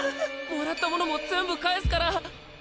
もらったものも全部返すから！